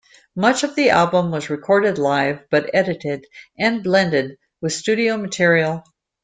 Much of the album was recorded live, but edited and blended with studio material.